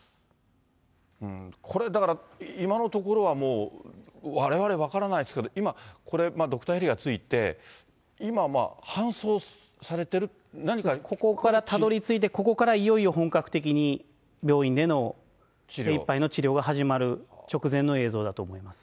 これだから、今のところはもう、われわれ分からないですけど、今、これ、ドクターヘリが着いて、ここからたどりついて、ここからいよいよ本格的に、病院での精いっぱいの治療が始まる直前の映像だと思います。